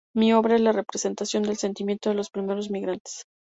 Mi obra es la representación del sentimiento de los primeros migrantes.